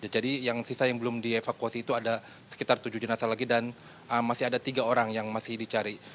jadi yang sisa yang belum dievakuasi itu ada sekitar tujuh jenazah lagi dan masih ada tiga orang yang masih dicari